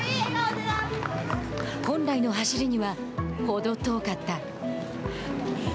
本来の走りにはほど遠かった。